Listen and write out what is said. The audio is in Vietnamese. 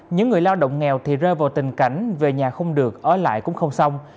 những người lao động nghèo thì rơi vào tình cảnh về nhà không được ở lại cũng không xong